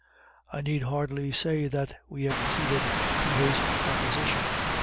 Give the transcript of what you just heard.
I need hardly say that we acceeded to his proposition.